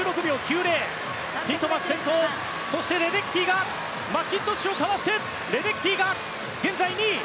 ティットマス、先頭そしてレデッキーがマッキントッシュをかわしてレデッキーが現在２位。